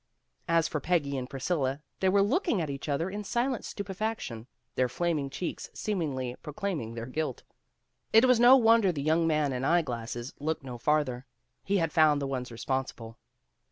As for Peggy and Priscilla, they were looking at each other in silent stupefaction, their flaming cheeks seem ingly proclaiming their guilt. It was no wonder the young man in eye glasses looked no farther. He had found the ones responsible.